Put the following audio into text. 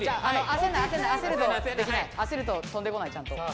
あせると飛んでこないちゃんと。